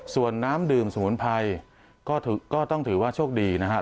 ส่วนน้ำดื่มสมุนไพรก็ต้องถือว่าโชคดีนะครับ